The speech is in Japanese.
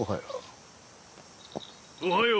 おはよう。